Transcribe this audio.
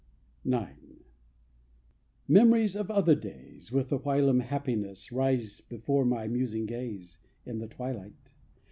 IX. Memories of other days, With the whilom happiness, Rise before my musing gaze In the twilight